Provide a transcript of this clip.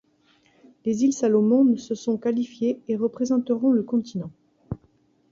Les Îles Salomon se sont qualifiés et représenteront le continent.